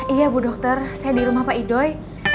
iya bu dokter saya di rumah pak idoy